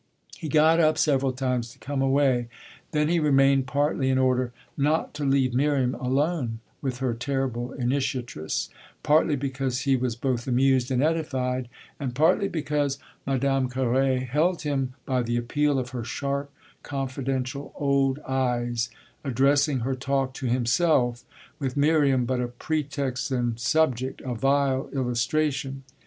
He got up several times to come away; then he remained, partly in order not to leave Miriam alone with her terrible initiatress, partly because he was both amused and edified, and partly because Madame Carré held him by the appeal of her sharp, confidential, old eyes, addressing her talk to himself, with Miriam but a pretext and subject, a vile illustration.